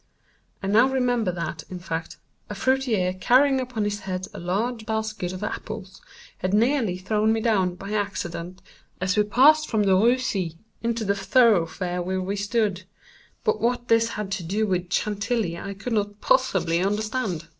I now remembered that, in fact, a fruiterer, carrying upon his head a large basket of apples, had nearly thrown me down, by accident, as we passed from the Rue C—— into the thoroughfare where we stood; but what this had to do with Chantilly I could not possibly understand.